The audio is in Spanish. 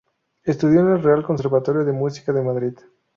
Estudió en el Real Conservatorio de Música de Madrid.